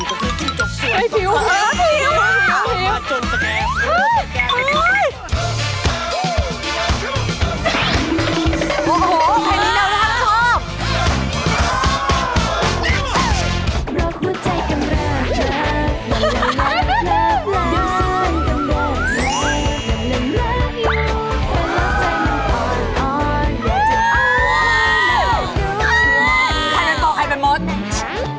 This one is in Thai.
โอ้โหแบบนี้หนูไม่พอ